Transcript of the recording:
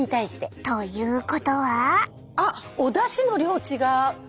ということは？